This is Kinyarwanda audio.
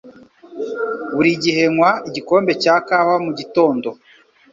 Buri gihe nywa igikombe cya kawa mugitondo.